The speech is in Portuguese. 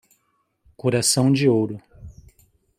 Coração de ouro